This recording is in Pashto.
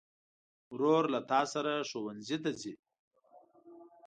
ورور له تا سره ښوونځي ته ځي.